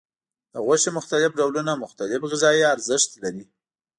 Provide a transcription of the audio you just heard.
د غوښې مختلف ډولونه مختلف غذایي ارزښت لري.